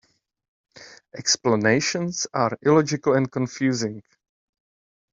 Explanations are illogical and confusing.